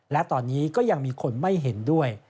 และตอนนี้ก็ยังมีคนไม่เห็นด้วย